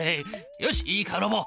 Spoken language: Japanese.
よしいいかロボ。